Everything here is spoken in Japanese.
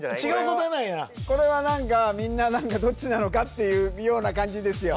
これこれは何かみんな何かどっちなのかっていう妙な感じですよ